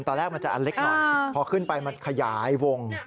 ตอนแรกมันจะอันเล็กหน่อยพอขึ้นไปมันขยายวง